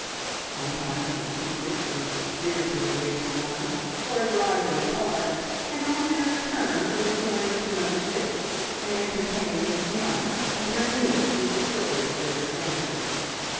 Sometimes the two sisters were spirited away to lunch or a drive in the Park, and on their return would adjourn into Number Six, and entertain Miss Munns and her niece with the story of their adventures.